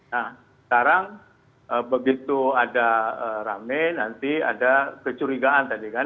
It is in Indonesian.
nah sekarang begitu ada rame nanti ada kecurigaan tadi kan